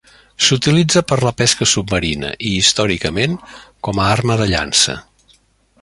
S'utilitza per a la pesca submarina i, històricament, com a arma de llança.